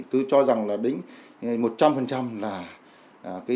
tôi cho rằng là đến một trăm linh là